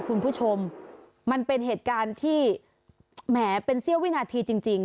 คุณผู้ชมมันเป็นเหตุการณ์ที่แหมเป็นเสี้ยววินาทีจริง